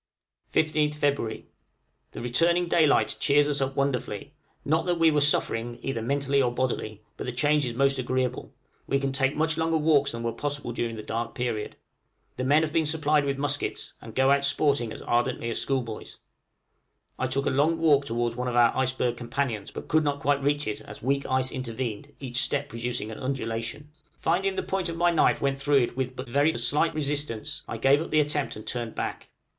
{FEB., 1858.} 15th Feb. The returning daylight cheers us up wonderfully not that we were suffering, either mentally or bodily, but the change is most agreeable; we can take much longer walks than were possible during the dark period. The men have been supplied with muskets, and go out sporting as ardently as schoolboys. I took a long walk towards one of our iceberg companions, but could not quite reach it, as weak ice intervened, each step producing an undulation. Finding the point of my knife went through it with but very slight resistance, I gave up the attempt and turned back.